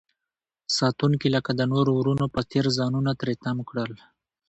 ساتونکي لکه د نورو ورونو په څیر ځانونه تری تم کړل.